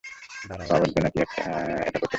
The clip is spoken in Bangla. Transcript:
দাঁড়াও, আবর্জনা কি এটা করতে পারে?